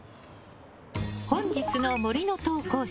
本日の森の投稿者。